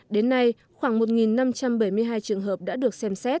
đến nay khoảng một năm trăm bảy mươi hai trường hợp đã được xem xét